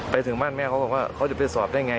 ไปถึงบ้านแม่เขาบอกว่าเขาจะไปสอบได้ไง